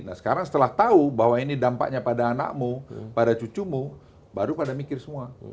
nah sekarang setelah tahu bahwa ini dampaknya pada anakmu pada cucumu baru pada mikir semua